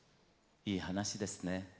いい話ですね。